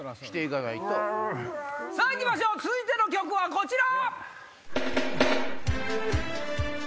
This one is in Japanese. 行きましょう続いての曲はこちら！